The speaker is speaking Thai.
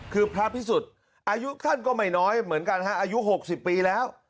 คือพระพิสุทธิ์อายุท่านก็ไม่น้อยเหมือนกันฮะอายุ๖๐ปีแล้ว